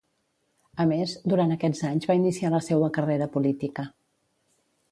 A més, durant aquests anys va iniciar la seua carrera política.